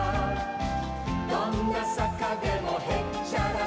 「どんなさかでもへっちゃらさ」